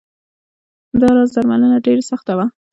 دا راز درملنه ډېره سخته وه.